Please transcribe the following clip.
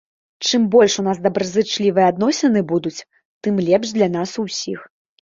Чым больш у нас дабразычлівыя адносіны будуць, тым лепш для нас усіх.